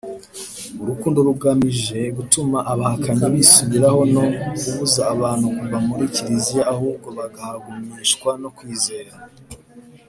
Urukundo rugamije gutuma abahakanyi bisubiraho no kubuza abantu kuva muri kiliziya ahubwo bakahagumishwa no kwizera.